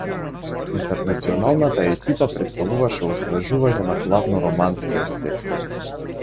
Интернационалната екипа претставуваше освежување на главно романскиот сет.